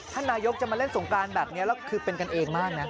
ท่านนายกจะมาเล่นสงการแบบนี้แล้วคือเป็นกันเองมากนะ